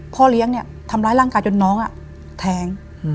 พ่อเลี้ยงเนี่ยทำร้ายร่างกายจนน้องแทง